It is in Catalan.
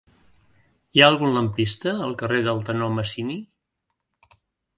Hi ha algun lampista al carrer del Tenor Masini?